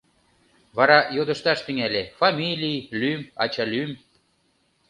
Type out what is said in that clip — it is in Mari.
Вара йодышташ тӱҥале: фамилий, лӱм, ачалӱм.